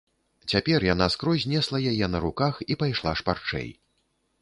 Цяпер яна скрозь несла яе на руках і пайшла шпарчэй.